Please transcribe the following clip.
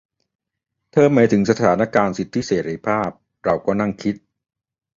เธอหมายถึงสถานการณ์สิทธิเสรีภาพ เราก็นั่งคิด